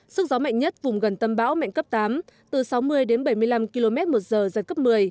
sức gió mạnh nhất vùng gần tâm bão mạnh cấp tám từ sáu mươi đến bảy mươi năm km một giờ giật cấp một mươi